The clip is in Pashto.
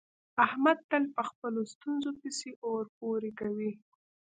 احمد تل په خپلو ستونزو پسې اور پورې کوي.